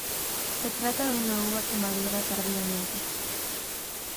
Se trata de una uva que madura tardíamente.